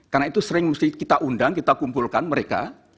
karena itu sering kita undang kita kumpulkan mereka